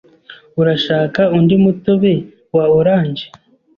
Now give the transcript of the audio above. Urashaka undi mutobe wa orange?